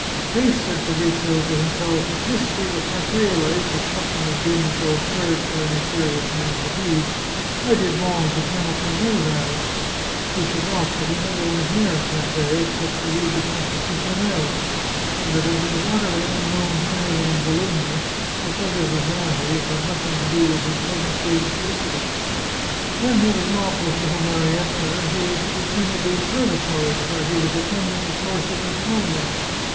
" Faith," said Fabrizio to himself, " if this be the cafe life which struck me as being so absurd for any serious man to lead, I did wrong to turn up my nose at it." He forgot that he never went near a cafe except to read the Constitu tionnel, and that as he was utterly unknown to any one in Bologna, the pleasures of vanity had nothing to do with his present state of felicity. When he was not with little Marietta, he was to be seen at the observatory, where he was attending a course of astronomy.